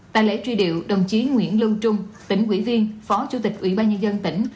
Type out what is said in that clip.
tại lễ truy điệu đồng chí nguyễn lương trung tỉnh quỹ viên phó chủ tịch quỹ ba nhân dân tỉnh